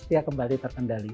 dia kembali terkendali